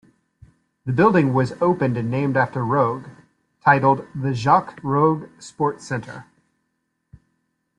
The building was opened and named after Rogge, titled "The Jacques Rogge Sports Centre".